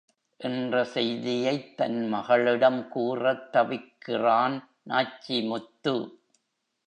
என்ற செய்தியைத் தன் மகளிடம் கூறத் தவிக்கிறான் நாச்சிமுத்து.